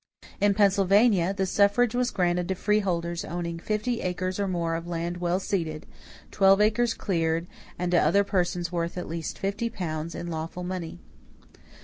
In Pennsylvania, the suffrage was granted to freeholders owning fifty acres or more of land well seated, twelve acres cleared, and to other persons worth at least fifty pounds in lawful money.